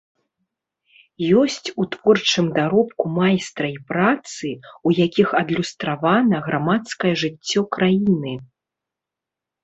Ёсць у творчым даробку майстра і працы, у якіх адлюстравана грамадскае жыццё краіны.